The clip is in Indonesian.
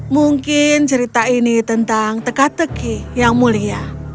mungkin cerita ini tentang tegak tegak yang mulia